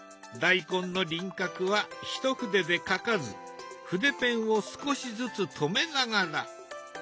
大根の輪郭は一筆で描かず筆ペンを少しずつ止めながら。